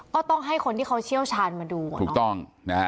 ก็ต้องให้คนที่เขาเชี่ยวชาญมาดูถูกต้องนะฮะ